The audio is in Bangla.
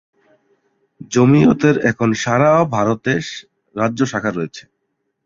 জমিয়তের এখন সারা ভারতে রাজ্য শাখা রয়েছে।